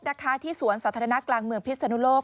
ที่สวนสาธารณะกลางเมืองพิศนุโลก